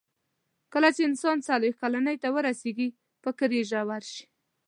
کله چې انسان څلوېښت کلنۍ ته ورسیږي، فکر یې ژور شي.